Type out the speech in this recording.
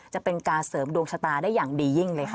จะเป็นการเสริมดวงชะตาได้อย่างดียิ่งเลยค่ะ